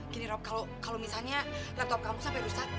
gini rob kalau misalnya latop kamu sampai rusak